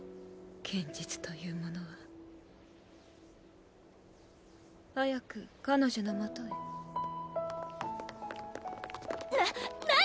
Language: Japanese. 現実というものは早く彼女のもとへな何？